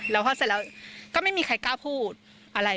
แล้วพอเสร็จแล้วก็ไม่มีใครกล้าพูดอะไร